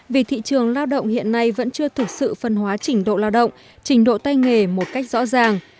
vì thị trường lao động hiện nay vẫn chưa thực sự phân hóa trình độ lao động trình độ tay nghề một cách rõ ràng